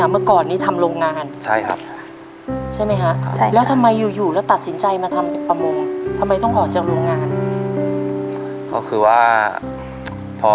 ขอต้อนรับครอบครัวของพ่อรักจากจังหวัดสมุทรสงครามครับ